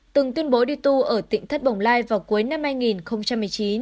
từng tuyên bố đi tu ở tỉnh thắt bồng lai vào cuối năm hai nghìn một mươi chín